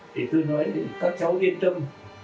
thì tôi nói các cháu yên tâm